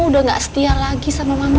udah gak setia lagi sama mama